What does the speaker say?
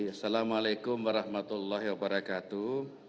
wassalamu'alaikum warahmatullahi wabarakatuh